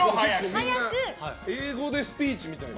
みんな英語でスピーチみたいな。